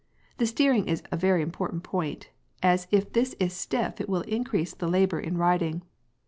The steering is a very important point, as if this is stiff it will increase the labour in riding.